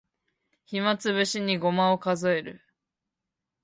暇つぶしにごまを数える